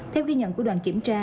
theo ghi nhận của đoàn kiểm tra